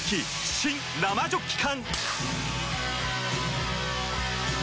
新・生ジョッキ缶！